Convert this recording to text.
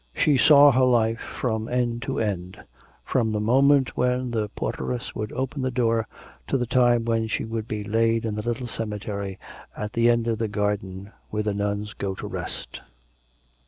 She saw her life from end to end, from the moment when the porteress would open the door to the time when she would be laid in the little cemetery at the end of the garden where the nuns go to rest.